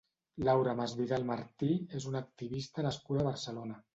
Laura Masvidal Martí és una activista nascuda a Barcelona.